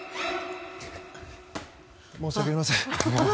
申し訳ありません。